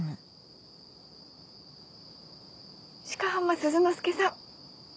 鹿浜鈴之介さん。